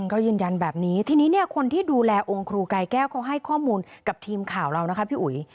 ก็ยืนยันแบบนี้ทีนี้เนี่ยคนที่ดูแลองค์ครูกายแก้วเขาให้ข้อมูลกับทีมข่าวเรานะคะพี่อุ๋ย